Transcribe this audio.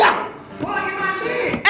aku lagi mandi